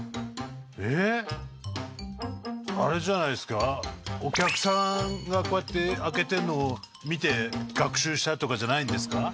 ええっあれじゃないっすかお客さんがこうやって開けてるのを見て学習したとかじゃないんですか？